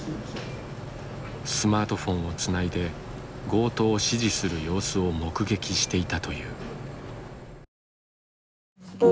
スマートフォンをつないで強盗を指示する様子を目撃していたという。